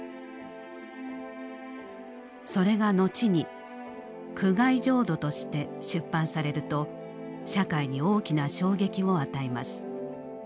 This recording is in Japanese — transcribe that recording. それが後に「苦海浄土」として出版されると社会に大きな衝撃を与えます。